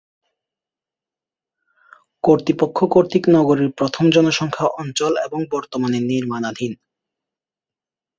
কর্তৃপক্ষ কর্তৃক নগরীর প্রথম জনসংখ্যা অঞ্চল এবং বর্তমানে নির্মাণাধীন।